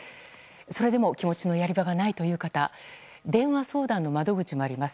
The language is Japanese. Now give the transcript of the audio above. それでも気持ちのやり場がないという方電話相談の窓口もあります。